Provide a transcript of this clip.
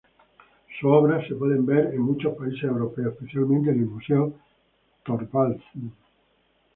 Sus obras pueden verse en muchos países europeos, especialmente en el Museo Thorvaldsen.